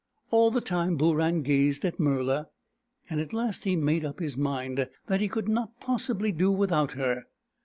All the time, Booran gazed at Murla, and at last he made up his mind that he could not pos sibly do without her.